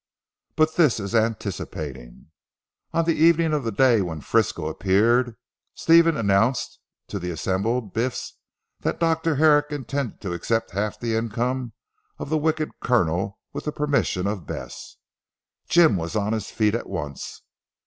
But this is anticipating. On the evening of the day when Frisco appeared, Stephen announced to the assembled Biffs that Dr. Herrick intended to accept half the income of the wicked Colonel with the permission of Bess. Jim was on his feet at once.